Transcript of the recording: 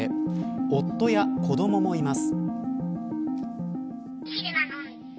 夫や子どももいいます。